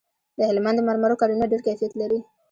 د هلمند د مرمرو کانونه ډیر کیفیت لري